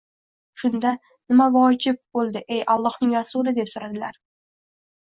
Shunda: “nima vojib bo‘ldi ey Allohning rasuli”, deb so‘radilar